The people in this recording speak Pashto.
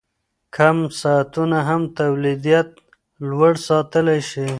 کم ساعتونه هم تولیدیت لوړ ساتلی شي.